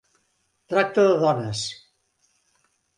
Tracta de dones.